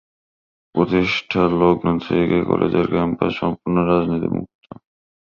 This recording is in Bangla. প্রতিষ্ঠালগ্ন থেকে কলেজের ক্যাম্পাস সম্পূর্ণ রাজনীতি মুক্ত।